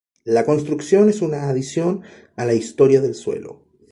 La construcción es una adición a la historia del suelo.